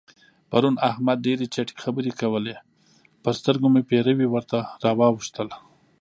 پرون احمد ډېرې چټي خبرې کول؛ پر سترګو مې پېروي ورته راواوښتل.